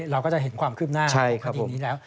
เราก็จะเห็นความคืบหน้าคดีนี้แล้ว